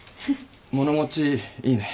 物持ちいいね。